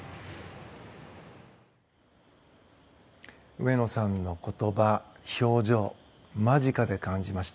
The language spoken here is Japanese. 上野さんの言葉、表情間近で感じました。